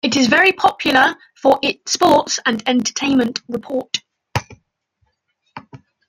It is very popular for its sports and entertainment report.